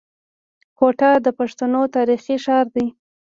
کوټه د پښتنو تاريخي ښار دی.